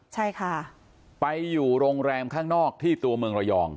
ใช่ค่ะไปอยู่โรงแรมข้างนอกที่ตัวเมืองระยอง